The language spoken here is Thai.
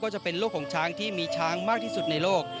จะเป็นโลกของช้างที่มีช้างมากที่สุดในโลก